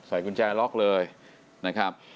กุญแจล็อกเลยนะครับ